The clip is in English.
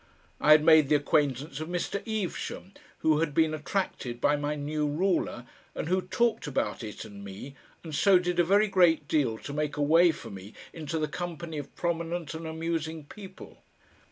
I had made the acquaintance of Mr. Evesham, who had been attracted by my NEW RULER, and who talked about it and me, and so did a very great deal to make a way for me into the company of prominent and amusing people.